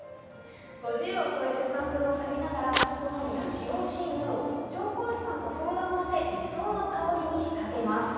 ５０を超えるサンプルをかぎながら、好みや使用シーンなど調香師さんと相談して理想の香りに仕立てます。